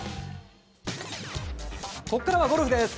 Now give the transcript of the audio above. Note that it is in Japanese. ここからは、ゴルフです。